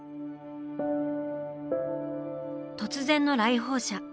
突然の来訪者。